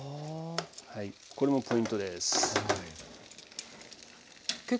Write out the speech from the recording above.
これもポイントです。